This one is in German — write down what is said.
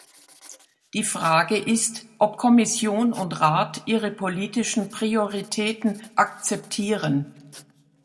Die Frage ist, ob Kommission und Rat ihre politischen Prioritäten akzeptieren.